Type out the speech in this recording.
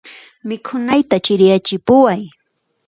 Mikhunayta chiriyachipuway.